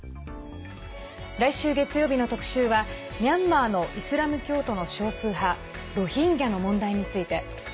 来週月曜日の特集はミャンマーのイスラム教徒の少数派ロヒンギャの問題について。